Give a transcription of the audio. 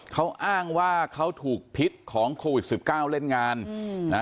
เขาอ้างว่าเขาถูกพิษของโควิดสิบเก้าเล่นงานนะ